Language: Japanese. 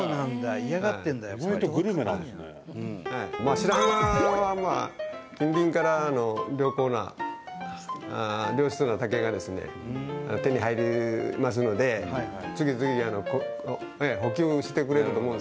白浜は近隣からの良好な良質な竹がですね手に入りますので次々補給してくれると思うんですけども。